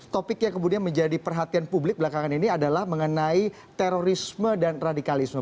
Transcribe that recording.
topik yang kemudian menjadi perhatian publik belakangan ini adalah mengenai terorisme dan radikalisme